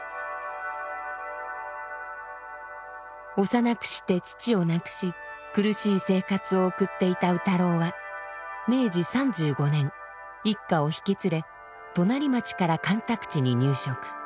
幼くして父を亡くし苦しい生活を送っていた卯太郎は明治３５年一家を引き連れ隣町から干拓地に入植。